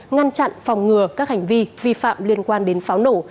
ngăn chặn phòng ngừa các hành vi vi phạm liên quan đến pháo nổ